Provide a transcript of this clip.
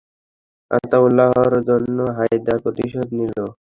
আতাউল্লাহর জন্য হায়দার প্রতিশোধ নিল।